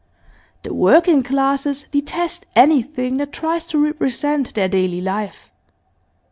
The working classes detest anything that tries to represent their daily life.